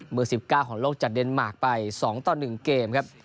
มือสิบเก้าของโลกจัดเดนมาร์กไป๒ต่อ๑เกมครับ